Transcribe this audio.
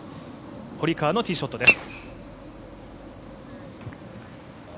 堀川のティーショットです。